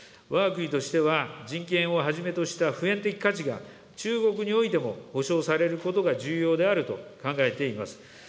わが国としては、人権をはじめとした普遍的価値が、中国においても保障されることが重要であると考えています。